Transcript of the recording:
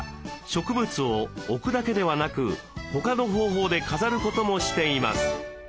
植物を置くだけではなく他の方法で飾ることもしています。